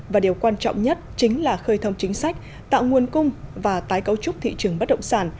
và điều quan trọng nhất chính là khơi thông chính sách tạo nguồn cung và tái cấu trúc thị trường bất động sản